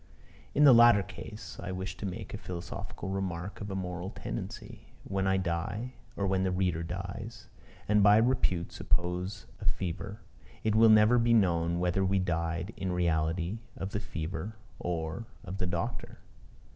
In the latter case, I wish to make a philosophic remark of a moral tendency. When I die, or when the reader dies, and by repute suppose of fever, it will never be known whether we died in reality of the fever or of the doctor.